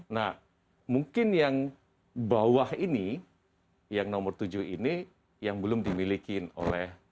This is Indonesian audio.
nah mungkin yang bawah ini yang nomor tujuh ini yang belum dimiliki oleh